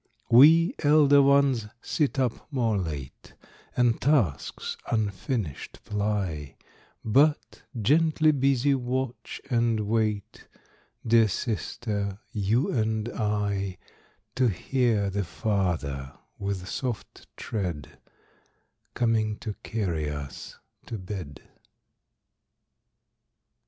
We, elder ones, sit up more late, And tasks unfinished ply, But, gently busy, watch and wait Dear sister, you and I, To hear the Father, with soft tread, Coming to carry us to bed.